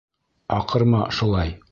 Аҡырма шулай.